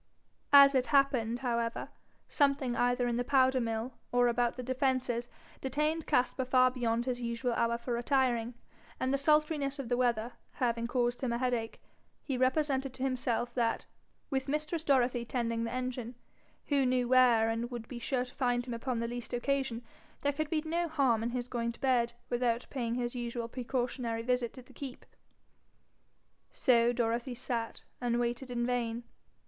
As it happened, however, something either in the powder mill or about the defences detained Caspar far beyond his usual hour for retiring, and the sultriness of the weather having caused him a headache, he represented to himself that, with mistress Dorothy tending the engine, who knew where and would be sure to find him upon the least occasion, there could be no harm in his going to bed without paying his usual precautionary visit to the keep. So Dorothy sat, and waited in vain.